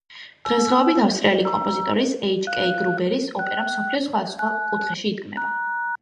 დღეს დღეობით ავსტრიელი კომპოზიტორის, ეიჩ კეი გრუბერის ოპერა მსოფლიოს სხვადასხვა კუთხეში იდგმება.